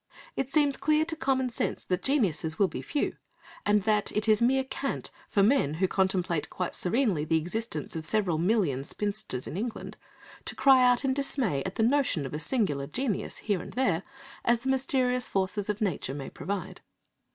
It seems clear to common sense that geniuses will be few, and that it is mere cant for men, who contemplate quite serenely the existence of several million spinsters in England, to cry out in dismay at the notion of a singular genius, here and there, as the mysterious forces of nature may provide.